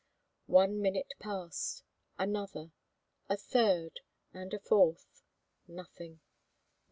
One minute passed, another, a third, and a fourth. Nothing!